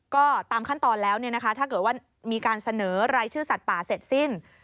ก็ตามขั้นตอนแล้วถ้าเกิดว่ามีการเสนอรายชื่อสัตว์ป่าเสร็จสิ้น